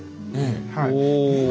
はい。